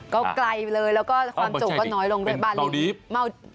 ก็ไกลเลยแล้วก็ความจุกก็น้อยลงด้วยบาลีเป็นเกาดี